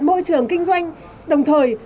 môi trường kinh doanh đồng thời